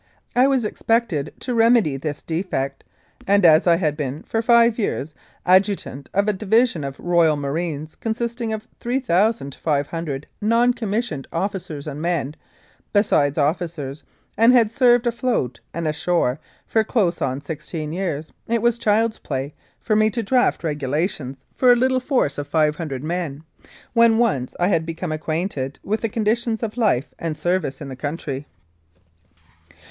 I was expected to remedy this defect and, as I had been for five years adjutant of a division of Royal Marines, consisting of 3,500 non commissioned officers and men, besides officers, and had served afloat and ashore for close on sixteen years, it was child's play to me to draft regulations for a little force of 500 men when once I had become acquainted with the conditions of life and service in the country.